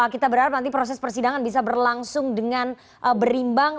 kita berharap nanti proses persidangan bisa berlangsung dengan berimbang